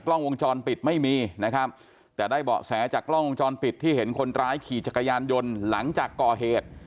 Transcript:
กล้องวงจรปิดไม่มีนะครับแต่ได้เบาะแสจากกล้องวงจรปิดที่เห็นคนร้ายขี่จักรยานยนต์หลังจากก่อเหตุ